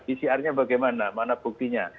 pcr nya bagaimana mana buktinya